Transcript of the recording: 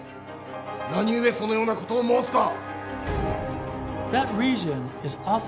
何故そのようなことを申すか？